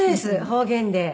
方言で。